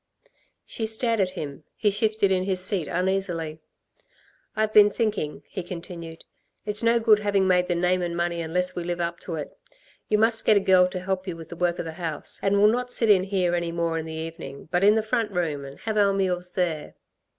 She stared at him. He shifted his seat uneasily. "I've been thinking," he continued, "it's no good having made the name and the money unless we live up to it. You must get a girl to help y' with the work of the house, and we'll not sit in here any more in the evening, but in the front room, and have our meals there."